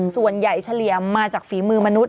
ส่วนใหญ่เฉลี่ยมาจากฝีมือมนุษย